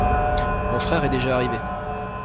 Mon frère est déjà arrivé.